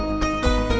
aku sudah berhenti